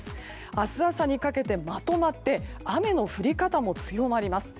明日朝にかけて、まとまって雨の降り方も強まります。